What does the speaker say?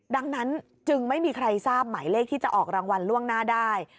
ดังนั้นจึงไม่มีใครทราบหมายเลขที่จะออกรางวัลล่วงหน้าได้